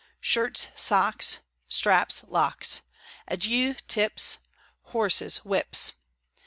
Shirts, socks straps, locks; adieux, tips horses, whips!